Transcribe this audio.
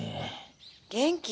「元気？